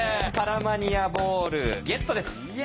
パラマニアボールゲットです。